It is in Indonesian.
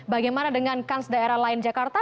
bagaimana dengan kans daerah lain jakarta